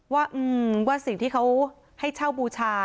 ว่าสิ่งที่เขาให้เช่าบูชา